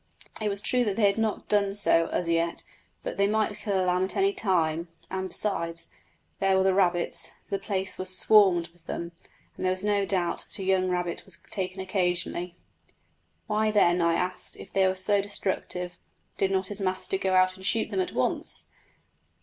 It was true that they had not done so as yet, but they might kill a lamb at any time; and, besides, there were the rabbits the place swarmed with them there was no doubt that a young rabbit was taken occasionally. Why, then, I asked, if they were so destructive, did not his master go out and shoot them at once?